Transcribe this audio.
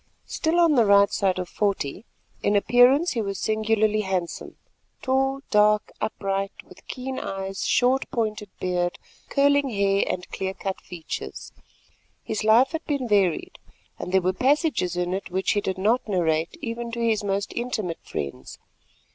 Still on the right side of forty, in appearance he was singularly handsome; tall, dark, upright, with keen eyes, short pointed beard, curling hair and clear cut features. His life had been varied, and there were passages in it which he did not narrate even to his most intimate friends.